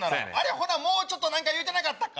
ほなもうちょっと何か言うてなかったか？